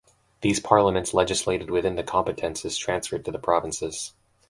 These parliaments legislated within the competences transferred to the provinces.